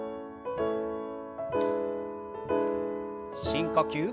深呼吸。